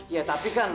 ya tapi kan